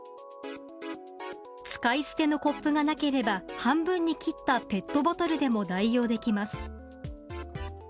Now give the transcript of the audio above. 使い捨てのコップがなければ、半分に切ったペットボトルでも代用できます。